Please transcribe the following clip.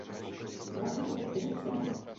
Doba rašení oček i květu je středně raná.